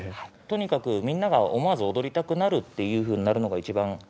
とにかくみんなが思わず踊りたくなるっていうふうになるのが一番。